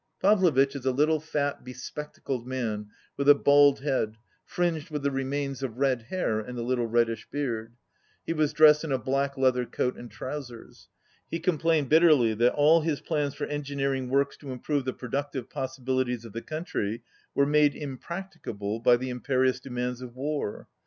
Pavlovitch is a little, fat, spectacled man with a bald head, fringed with the remains of red hair, and a little reddish beard. He was dressed in a black leather coat and trousers. He complained bitterly that all his plans for engineering works to improve the productive possibilities of the coun try were made impracticable by the imperious de mands of war.